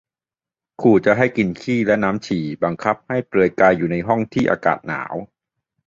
ขู่จะให้ 'กินขี้' และ 'น้ำฉี่' บังคับให้เปลือยกายอยู่ในห้องที่มีอากาศหนาว